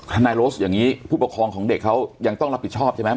นายโรสอย่างนี้ผู้ปกครองของเด็กเขายังต้องรับผิดชอบใช่ไหม